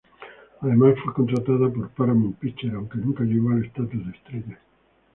Además, fue contratada por Paramount Pictures, aunque nunca llegó al estatus de estrella.